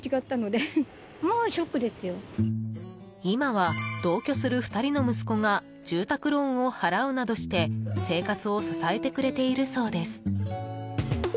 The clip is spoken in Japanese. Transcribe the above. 今は同居する２人の息子が住宅ローンを払うなどして生活を支えてくれているそうです。